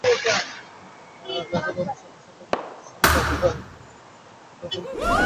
Lenovo, স্যামসাংয়ের মতো প্রতিষ্ঠানের বাজার দখল কেড়ে নিয়ে এগিয়ে গেছে অপো।